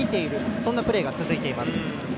そんなプレーが続いています。